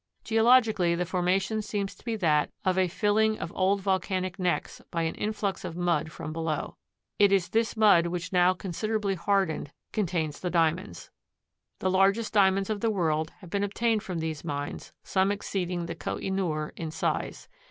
Geologically the formation seems to be that of a filling of old volcanic necks by an influx of mud from below. It is this mud which now considerably hardened contains the Diamonds. The largest Diamonds of the world have been obtained from these mines, some exceeding the Kohinoor in size.